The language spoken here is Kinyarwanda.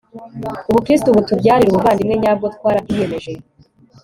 ubukristu butubyarire ubuvandimwe nyabwo, twarabyiyemeje